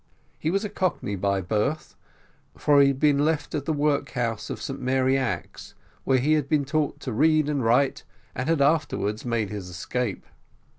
He was a cockney by birth, for he had been left at the workhouse of St. Mary Axe, where he had, been taught to read and write, and had afterwards made his escape.